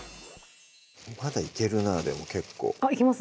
まだいけるなでも結構あっいけます？